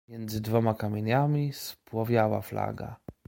Między dwoma kamieniami spłowiała flaga.